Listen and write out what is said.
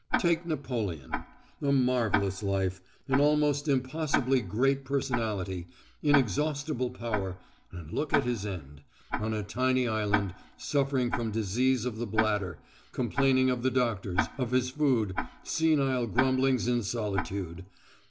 Take Napoleon: a marvellous life, an almost impossibly great personality, inexhaustible power, and look at his end on a tiny island, suffering from disease of the bladder, complaining of the doctors, of his food, senile grumblings in solitude....